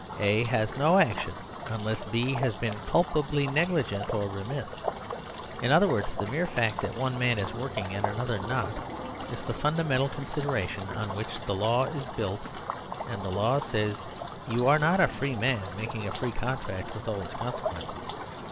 A has no action unless B has been culpably negligent or remiss. In other words, the mere fact that one man is working and the other not is the fundamental consideration on which the law is built, and the law says :" You are not a free man making a free contract with all its consequences.